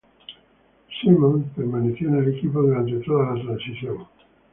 Symonds permaneció en el equipo durante toda la transición.